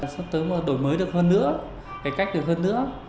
sắp tới đổi mới được hơn nữa cải cách được hơn nữa